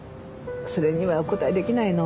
それにはお答えできないの。